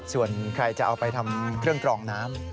ส่วนใครจะเอาไปทำเครื่องกรองน้ำ